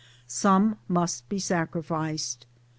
Some must be sacrificed.